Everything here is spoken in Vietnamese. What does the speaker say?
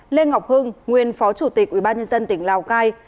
lê ngọc hưng nguyên phó chủ tịch ubnd tỉnh lào cai